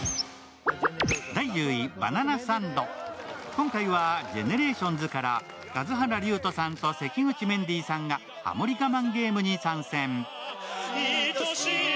今回はＧＥＮＥＲＡＴＩＯＮＳから数原龍友さんと関口メンディーさんがハモリ我慢ゲームに参戦。